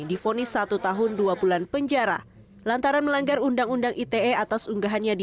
difonis satu tahun dua bulan penjara lantaran melanggar undang undang ite atas unggahannya di